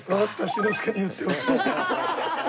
志の輔に言っておく。